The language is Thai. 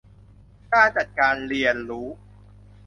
การจัดการเรียนรู้